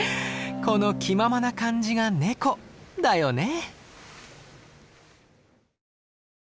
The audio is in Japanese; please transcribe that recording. この気ままな感じがネコだよね。